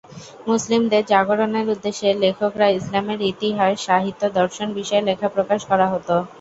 মুসলিমদের জাগরণের উদ্দেশ্যে লেখকরা ইসলামের ইতিহাস, সাহিত্য, দর্শন বিষয়ে লেখা প্রকাশ করা হত।